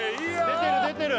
出てる出てる！